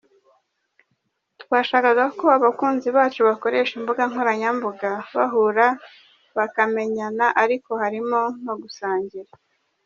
Twashakaga ko abakunzi bacu bakoresha imbuga nkoranyambaga bahura bakemyana ariko harimo no gusangira.